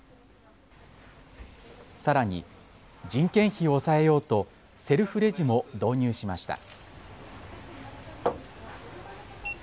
さらに人件費を抑えようとセルフレジも導入しました。